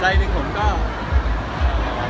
ใจหนึ่งผมก็มีความคิดว่า